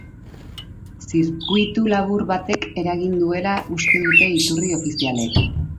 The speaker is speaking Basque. Zirkuitulabur batek eragin duela uste dute iturri ofizialek.